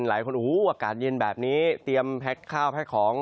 หลายคนโอ้โหอากาศเย็นแบบนี้เตรียมแพ็คข้าวแพ็คของ